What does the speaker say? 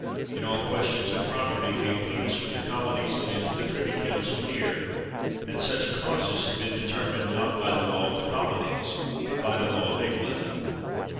In all questions of property the ap peals from the colonies have been to the privy council here; and such causes have been deter mined, not by the law of the colonies, but by the law of England.